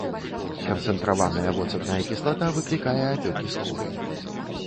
Канцэнтраваная воцатная кіслата выклікае апёкі скуры.